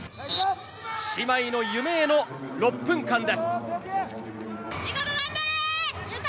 姉妹の夢への６分間です。